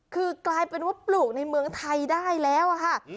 คือกลายเป็นว่าปลูกในเมืองไทยได้แล้วอะค่ะ